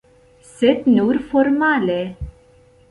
Sed nur formale.